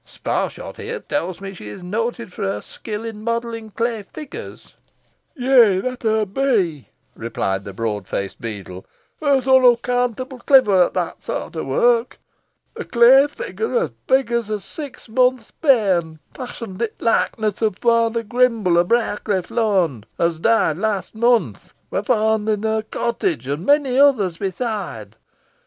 Sparshot here tells me she is noted for her skill in modelling clay figures." "Yeigh, that hoo be," replied the broad faced beadle; "hoo's unaccountable cliver ot that sort o' wark. A clay figger os big os a six months' barn, fashiont i' th' likeness o' Farmer Grimble o' Briercliffe lawnd, os died last month, war seen i' her cottage, an monny others besoide.